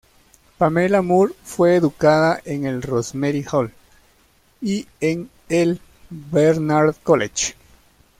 Pamela Moore fue educada en el "Rosemary Hall" y en el Barnard College.